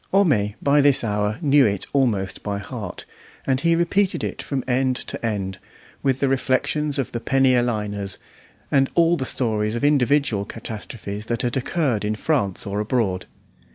Homais by this hour knew it almost by heart, and he repeated it from end to end, with the reflections of the penny a liners, and all the stories of individual catastrophes that had occurred in France or abroad.